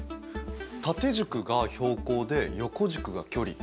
縦軸が標高で横軸が距離。